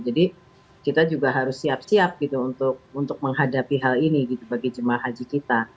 jadi kita juga harus siap siap gitu untuk menghadapi hal ini gitu bagi jemaah haji kita